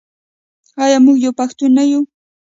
آیا موږ یو پښتون نه یو؟